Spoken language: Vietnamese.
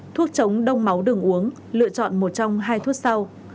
thuốc chống đông máu đường uống lựa chọn một trong hai thuốc sau